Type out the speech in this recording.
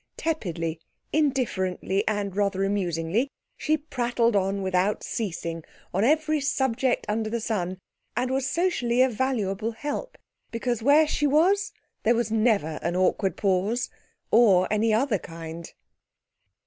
Tepidly, indifferently and rather amusingly she prattled on without ceasing, on every subject under the sun, and was socially a valuable help because where she was there was never an awkward pause or any other kind.